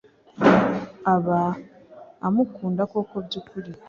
aba amukunda koko by’ukuri